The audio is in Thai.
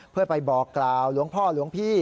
เพื่อไปบอกกล่าวหลวงพ่อหลวงพี่